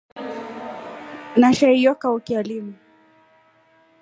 Nasha hiyo kaukya linu.